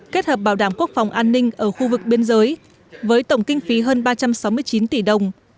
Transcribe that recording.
kết hợp bảo đảm quốc phòng an ninh ở khu vực biên giới với tổng kinh phí hơn ba trăm sáu mươi chín tỷ đồng